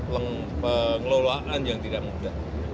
leng pengelolaan yang tidak mudah